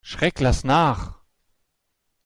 Schreck lass nach!